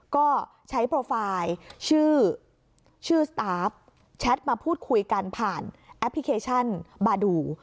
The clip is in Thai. ก็ใช้โปรไฟล์ชื่อชื่อสตาร์ฟแชทมาพูดคุยกันผ่านแอปพลิเคชันบาดู